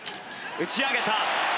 打ち上げた。